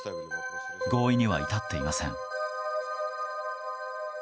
合意には至っていません。